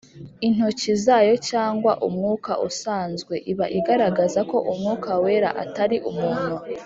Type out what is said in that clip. “intoki” zayo cyangwa “umwuka” usanzwe, iba igaragaza ko umwuka wera atari umuntu